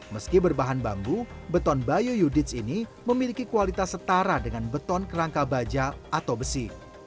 meski berbahan bambu beton bio yudits ini memiliki kualitas setara dengan beton kerangka baja atau besi